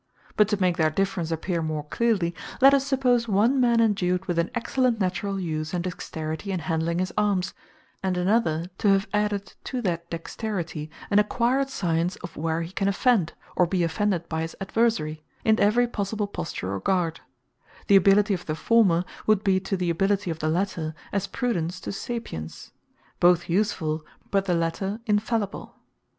But to make their difference appeare more cleerly, let us suppose one man endued with an excellent naturall use, and dexterity in handling his armes; and another to have added to that dexterity, an acquired Science, of where he can offend, or be offended by his adversarie, in every possible posture, or guard: The ability of the former, would be to the ability of the later, as Prudence to Sapience; both usefull; but the later infallible.